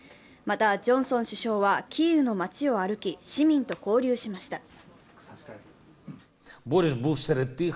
また、ジョンソン首相はキーウの街を歩き、市民と交流しました。